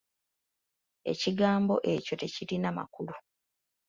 Ekigambo ekyo tekirina makulu.